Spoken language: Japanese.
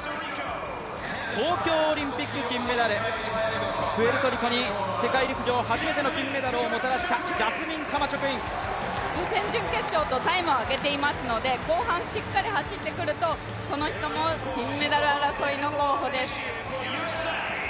東京オリンピック金メダルプエルトリコに世界陸上初めての金メダルをもたらした予選・準決勝とタイムを上げていますので後半しっかり走ってくると、この人も金メダル争いの候補です。